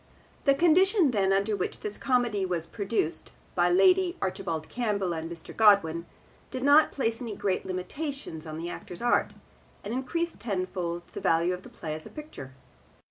The condition then under which this comedy was produced by Lady Archibald Campbell and Mr. Godwin did not place any great limitations on the actor's art, and increased tenfold the value of the play as a picture.